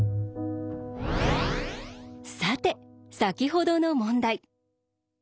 さて先ほどの問題。